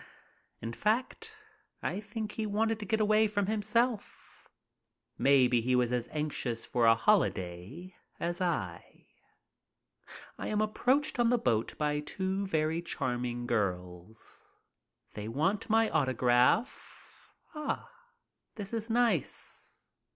In fact, I think he wanted to get away himself. Maybe he was as anxious for a holiday as I. I am approached on the boat by two very charming girls. They want my autograph. Ah, this is nice